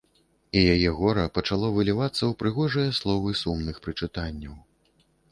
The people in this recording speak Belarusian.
І яе гора пачало вылівацца ў прыгожыя словы сумных прычытанняў.